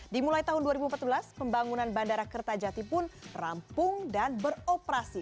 dimulai tahun dua ribu empat belas pembangunan bandara kertajati pun rampung dan beroperasi